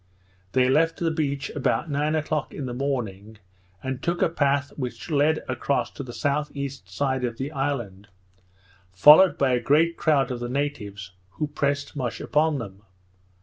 They left the beach about nine o'clock in the morning, and took a path which led across to the S.E. side of the island, followed by a great crowd of the natives, who pressed much upon them.